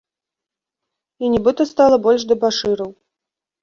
І нібыта стала больш дэбашыраў.